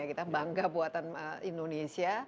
kita bangga buatan indonesia